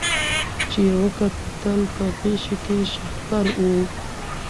چي یې وکتل په غشي کي شهپر وو